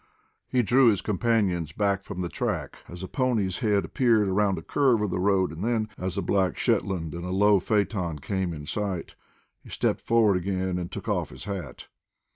He drew his companions back from the track, as a pony's head appeared around a curve of the road; and then, as a black shetland and low phaeton came in sight, he stepped forward again, and took off his hat.